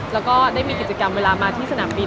แล้วก็ได้มีกิจกรรมเวลามาที่สนามบิน